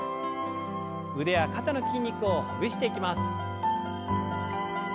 腕や肩の筋肉をほぐしていきます。